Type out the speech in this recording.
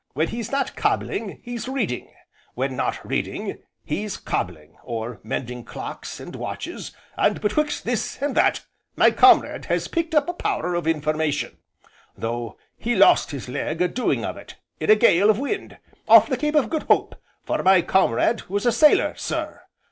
When he's not cobbling, he's reading, when not reading, he's cobbling, or mending clocks, and watches, and, betwixt this and that, my comrade has picked up a power of information, though he lost his leg a doing of it in a gale of wind off the Cape of Good Hope, for my comrade was a sailor, sir.